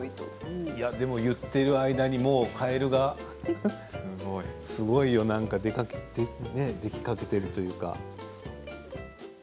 言ってる間にもうカエルがすごいよ、もうできかけているというか。